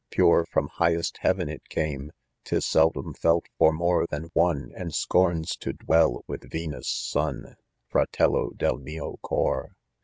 Purely from highest heaven, it came; p Tis seldom, felt for more than one, And scorns to dwell "with Ysaus* nojn, Fraiello id mio cor.